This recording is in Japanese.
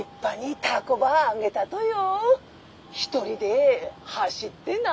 一人で走ってな。